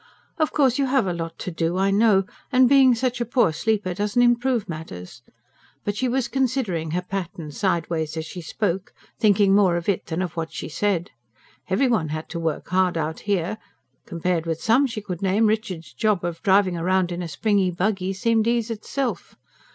"Of course you have a lot to do, I know, and being such a poor sleeper doesn't improve matters." But she was considering her pattern sideways as she spoke, thinking more of it than of what she said. Every one had to work hard out here; compared with some she could name, Richard's job of driving round in a springy buggy seemed ease itself.